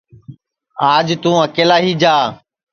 آج توں ایکلا ہی جا